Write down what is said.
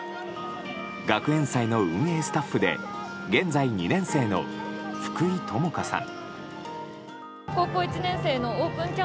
学園祭の運営スタッフで現在２年生の福井友香さん。